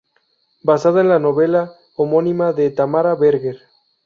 Basada en la novela homónima de Tamara Berger.